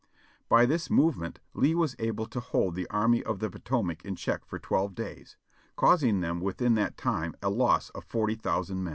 By this movement Lee was able to hold the Army of the Potomac in check for twelve days, causing them within that time a loss of forty thousand men.